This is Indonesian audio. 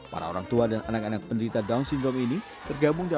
walaupun mungkin banyak yang menganggap sesuatu yang lain daripada yang tadi